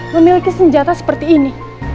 memiliki senjata seperti ini